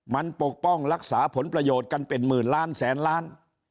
มันปกป้องรักษาผลประโยชน์กันเป็นหมื่นล้านแสนล้าน